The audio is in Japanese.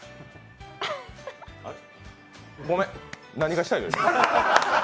ごめん、何がしたいの？